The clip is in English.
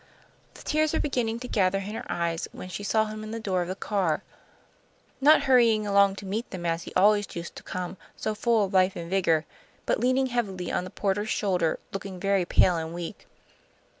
The tears were beginning to gather in her eyes, when she saw him in the door of the car; not hurrying along to meet them as he always used to come, so full of life and vigour, but leaning heavily on the porter's shoulder, looking very pale and weak.